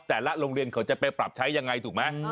แต่ละโรงเรียนเขาจะไปปรับใช้ยังไงถูกไหม